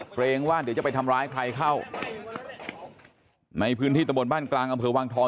เกรงว่าเดี๋ยวจะไปทำร้ายใครเข้าในพื้นที่ตะบนบ้านกลางอำเภอวังทอง